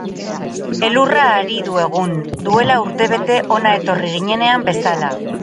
Elurra ari du egun, duela urtebete hona etorri ginenean bezala.